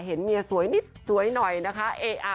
เห็นเมียสวยนิดสวยหน่อยนะคะ